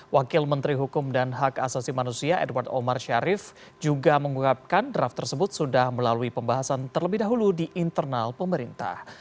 wakil menteri hukum dan hak asasi manusia edward omar syarif juga menguapkan draft tersebut sudah melalui pembahasan terlebih dahulu di internal pemerintah